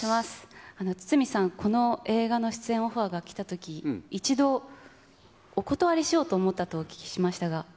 堤さん、この映画の出演オファーが来たとき、一度、お断りしようと思ったとお聞きしましたが。